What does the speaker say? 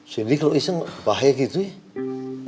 jadi kalau iseng bahaya gitu ya